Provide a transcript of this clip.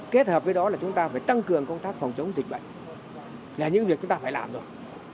kết hợp với đó là chúng ta phải tăng cường công tác phòng chống dịch bệnh là những việc chúng ta phải làm rồi